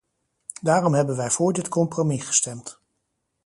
Daarom hebben wij voor dit compromis gestemd.